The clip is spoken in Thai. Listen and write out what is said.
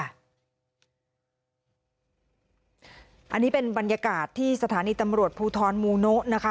อันนี้เป็นบรรยากาศที่สถานีตำรวจภูทรมูโนะนะคะ